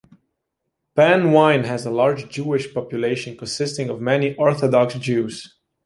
Penn Wynne has a large Jewish population consisting of many Orthodox Jews.